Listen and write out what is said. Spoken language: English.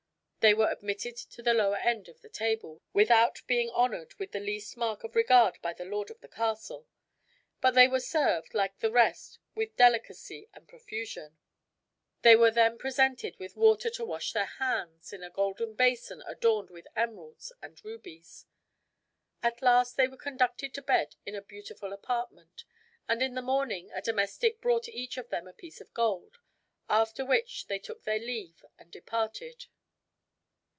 They were admitted to the lower end of the table, without being honored with the least mark of regard by the lord of the castle; but they were served, like the rest, with delicacy and profusion. They were then presented with water to wash their hands, in a golden basin adorned with emeralds and rubies. At last they were conducted to bed in a beautiful apartment; and in the morning a domestic brought each of them a piece of gold, after which they took their leave and departed.